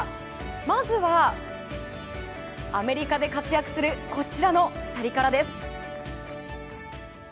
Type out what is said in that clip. まずは、アメリカで活躍するこちらの２人からです。